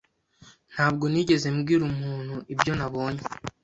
Ntabwo nigeze mbwira umuntu ibyo nabonye.